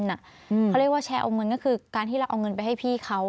เขาเรียกว่าแชร์เอาเงินก็คือการที่เราเอาเงินไปให้พี่เขา